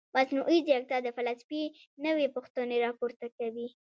مصنوعي ځیرکتیا د فلسفې نوې پوښتنې راپورته کوي.